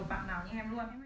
ai mà chưa làm cầm